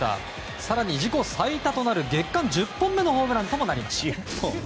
更に自己最多となる月間１０本目のホームランともなりました。